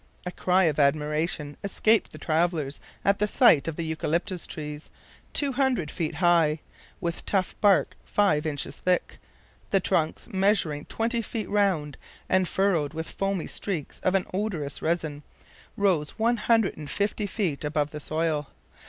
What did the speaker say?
A cry of admiration escaped the travelers at the sight of the eucalyptus trees, two hundred feet high, with tough bark five inches thick. The trunks, measuring twenty feet round, and furrowed with foamy streaks of an odorous resin, rose one hundred and fifty feet above the soil.